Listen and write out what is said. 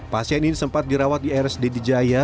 pasien ini sempat dirawat di rsd di jaya